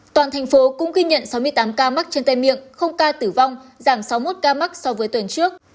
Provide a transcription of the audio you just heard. toàn thành phố cũng ghi nhận sáu mươi tám ca mắc trên tay miệng ca tử vong giảm sáu mươi một ca mắc so với tuần trước